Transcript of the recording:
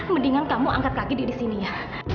mendingan kamu angkat kaki di sini ya